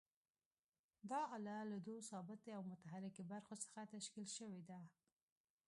دا آله له دوو ثابتې او متحرکې برخو څخه تشکیل شوې ده.